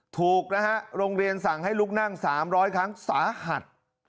ถูกนะฮะโรงเรียนสั่งให้ลุกนั่ง๓๐๐ครั้งสาหัส